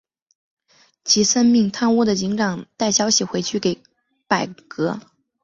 齐森命贪污的警长带消息回去给柏格。